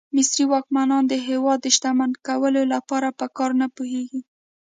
مصري واکمنان د هېواد د شتمن کولو لپاره په کار نه پوهېږي.